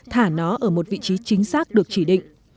thả nó ở một vị trí chính xác được chỉ định